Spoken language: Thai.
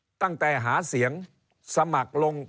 เริ่มต้นตั้งแต่หาเสียงสมัครลง